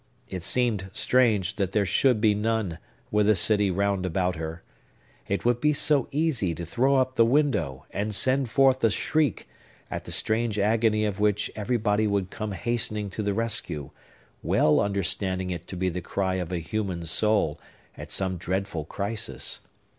It seemed strange that there should be none, with a city round about her. It would be so easy to throw up the window, and send forth a shriek, at the strange agony of which everybody would come hastening to the rescue, well understanding it to be the cry of a human soul, at some dreadful crisis!